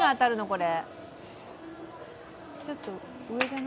これ。